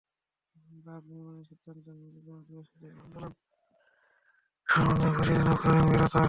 বাঁধ নির্মাণের বিরুদ্ধে লিনকা আদিবাসীদের আন্দোলন শুরুর মাধ্যমে পরিচিতি লাভ করেন বেরতা কাসেরেস।